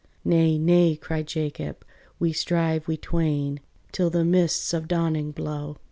"Nay, nay," cried Jacob, "we strive, we twain, Till the mists of dawning blow."